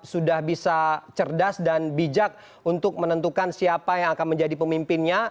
sudah bisa cerdas dan bijak untuk menentukan siapa yang akan menjadi pemimpinnya